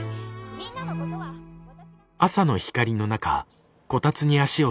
みんなのことは私が」。